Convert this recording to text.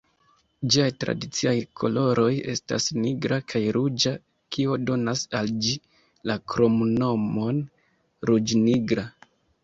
Ĝiaj tradiciaj koloroj estas nigra kaj ruĝa, kio donas al ĝi la kromnomon "ruĝ-nigra".